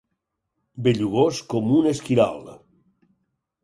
Bellugós com un esquirol.